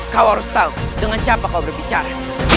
kau harus tahu dengan siapa kau berbicara